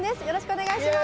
お願いします。